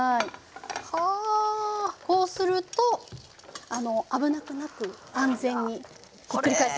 こうするとあの危なくなく安全にひっくり返せます。